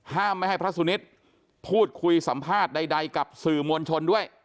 ไม่ให้พระสุนิทพูดคุยสัมภาษณ์ใดกับสื่อมวลชนด้วย